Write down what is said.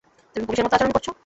তুমি পুলিশের মতো আচরণ করছ।